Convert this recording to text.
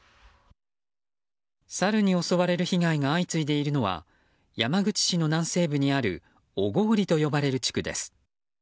サルに襲われる被害が相次いでいるのは山口市の南西部にある小郡という地区です。